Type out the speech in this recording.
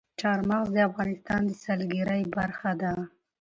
چار مغز د افغانستان د سیلګرۍ برخه ده.